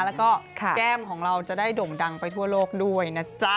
แล้วก็แก้มของเราจะได้ด่งดังไปทั่วโลกด้วยนะจ๊ะ